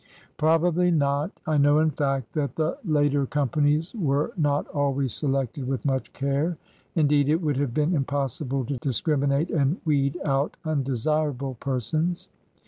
" Probably not. I know, in fact, that the later con? no ORDER NO. 11 panics were not always selected with much care. Indeed, it would have been impossible to discriminate and weed out undesirable persons.''